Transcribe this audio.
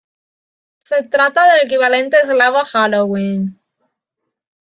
Se trata del equivalente eslavo a Halloween.